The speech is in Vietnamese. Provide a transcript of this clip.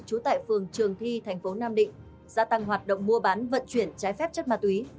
trú tại phường trường thi thành phố nam định gia tăng hoạt động mua bán vận chuyển trái phép chất ma túy